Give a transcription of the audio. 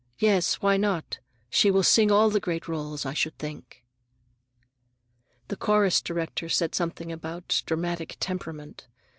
_ Yes, why not? She will sing all the great roles, I should think." The chorus director said something about "dramatic temperament."